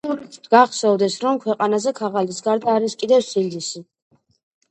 „გახსოვდეს, რომ ქვეყანაზე ქაღალდის გარდა არის კიდევ სინდისი.“